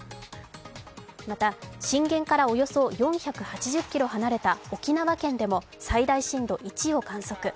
また、震源からおよそ４８０ｋｍ離れた沖縄県でも最大震度１を観測。